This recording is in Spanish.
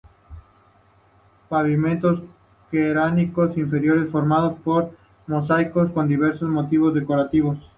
Pavimentos cerámicos interiores formados por mosaicos con diversos motivos decorativos.